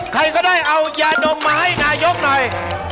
ใครก็ได้เอายาดมมาให้นายกหน่อย